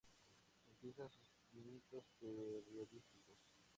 Empiezan sus pinitos periodísticos.